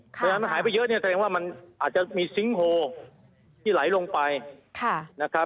เพราะฉะนั้นมันหายไปเยอะเนี่ยแสดงว่ามันอาจจะมีซิงค์โฮที่ไหลลงไปนะครับ